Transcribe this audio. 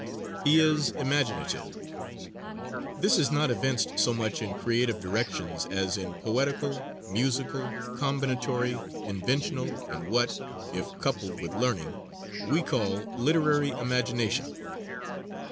He is imaginative. This is not evinced so much in creative directions as in poetical, musical, combinatory, inventional and what, if coupled with learning, we call literary imagination.